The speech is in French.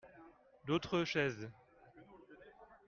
D'autres chaises.